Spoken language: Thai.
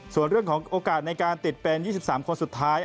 ส่วนเรื่องของโอกาสในการติดเป็น๒๓คนสุดท้าย